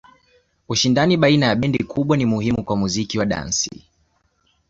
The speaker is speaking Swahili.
Ushindani baina ya bendi kubwa ni muhimu kwa muziki wa dansi.